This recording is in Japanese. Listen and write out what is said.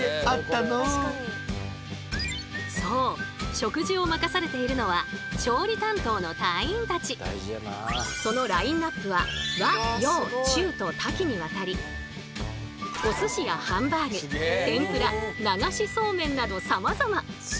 食事を任されているのは調理担当の隊員たち。と多岐にわたりお寿司やハンバーグ天ぷら流しそうめんなどさまざま。